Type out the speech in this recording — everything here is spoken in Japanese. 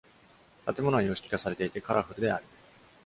建物は様式化されていてカラフルである。